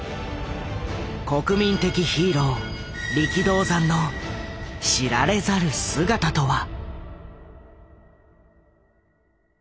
国民的ヒーロー力道山の知られざる姿とは。